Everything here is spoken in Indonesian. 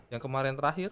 yang kemarin terakhir